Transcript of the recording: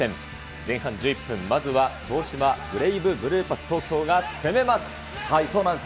前半１１分、まずは東芝ブレイブルーパスが攻めます。